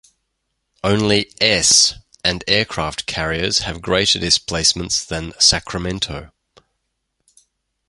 Only s and aircraft carriers have greater displacements than "Sacramento".